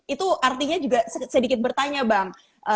itu artinya juga sedikit bertanya bang